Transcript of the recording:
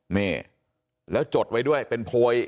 นี่แล้วจดไว้ด้วยเป็นโพย